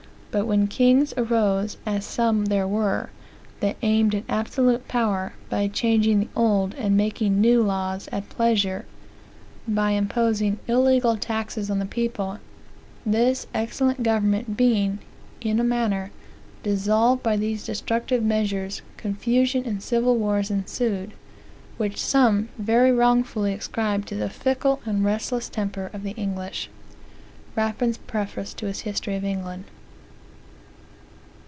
But when kings arose, as some there were, that aimed at absolute power, by changing the old, and making new laws, at pleasure; by imposing illegal taxes on the people; this excellent government being, in a manner, dissolved by these destructive measures, confusion and civil wars ensued, which some very wrongfully ascribe to the fickle and restless temper of the English." Rapin's Preface to his History of England.